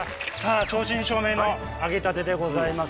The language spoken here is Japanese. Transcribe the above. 正真正銘の揚げたてでございます。